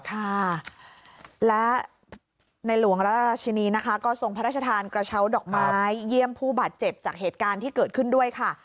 ค่ะและในหลวงราชินีนะคะก็ทรงพระราชทานกระเช้าดอกไม้เยี่ยมผู้บาดเจ็บจากเหตุการณ์ที่เกิดขึ้นด้วยค่ะ